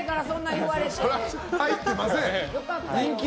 入ってません。